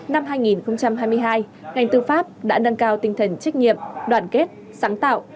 năm hai nghìn hai mươi hai ngành tư pháp đã nâng cao tinh thần trách nhiệm đoàn kết sáng tạo